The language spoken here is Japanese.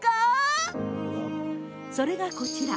それが、こちら。